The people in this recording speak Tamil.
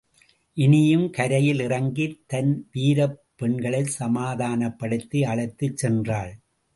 இனியும் கரையில் இறங்கித் தன் வீரப் பெண்களைச் சமாதானப்படுத்தி அழைத்துச் சென்றாள்.